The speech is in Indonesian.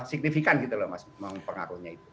signifikan gitu loh mas mempengaruhinya itu